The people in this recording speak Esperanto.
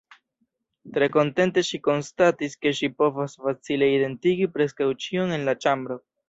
Tre kontente ŝi konstatis ke ŝi povas facile identigi preskaŭ ĉion en la ĉambro.